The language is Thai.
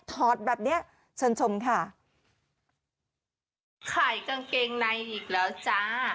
แบบเนี้ยเชิญชมค่ะขายกางเกงในอีกแล้วจ้า